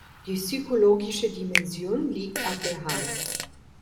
Die psychologische Dimension liegt auf der Hand.